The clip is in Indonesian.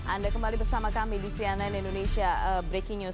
anda kembali bersama kami di cnn indonesia breaking news